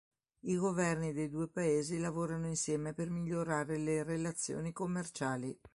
I governi dei due paesi lavorano insieme per migliorare le relazioni commerciali.